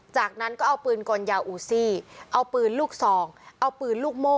จากนั้นก็เอาปืนกลยาวอูซี่เอาปืนลูกซองเอาปืนลูกโม่